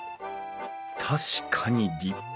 確かに立派。